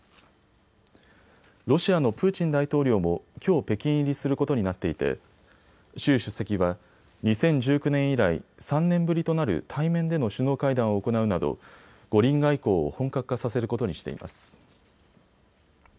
ロシアのプーチン大統領もきょう北京入りすることになっていて習主席は２０１９年以来、３年ぶりとなる対面での首脳会談を行うなど五輪外交を本格化させることにしています。